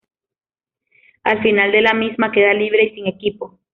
Al final de la misma, queda libre y sin equipo.